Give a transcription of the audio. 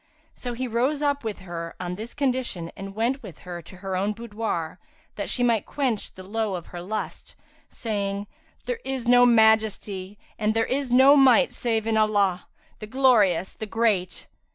So he rose up with her, on this condition, and went with her to her own boudoir, that she might quench the lowe of her lust, saying, "There is no Majesty, and there is no Might save in Allah, the Glorious, the Great!